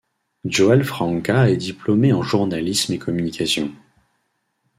Joël Franka est diplômé en journalisme et communication.